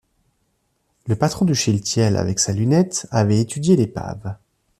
Le patron du Shealtiel avec sa lunette avait étudié l’épave.